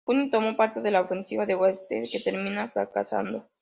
En junio tomó parte en la ofensiva de Huesca, que terminaría fracasando.